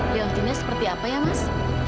liontinnya seperti apa ya mas